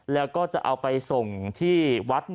แล้วก็จะเอาไปส่งที่วัด